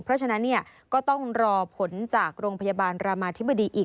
เพราะฉะนั้นก็ต้องรอผลจากโรงพยาบาลรามาธิบดีอีก